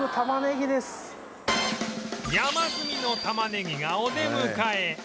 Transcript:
山積みのたまねぎがお出迎え